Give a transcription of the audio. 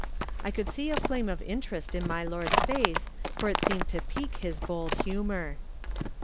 I could see a flame of interest in my lord's face, for it seemed to pique his bold humor.